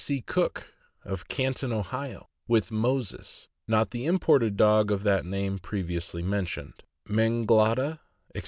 C. Cook, Canton, Ohio, with Moses (not the imported dog of that name previously mentioned), Menglada, etc.